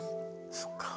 そっか。